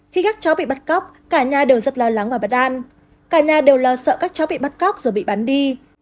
khi các chó bị bắt cóc cả nhà đều rất lo lắng và bất an cả nhà đều lo sợ các chó bị bắt cóc rồi bị bán đi